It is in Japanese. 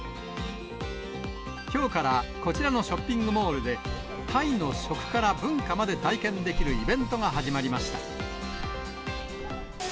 きょうからこちらのショッピングモールで、タイの食から文化まで体験できるイベントが始まりました。